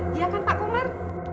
ya kan pak komar